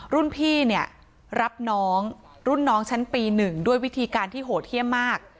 รุ่นพี่เนี่ยรับน้องรุ่นน้องชั้นปี๑ด้วยวิธีการที่โหดเยี่ยมมาก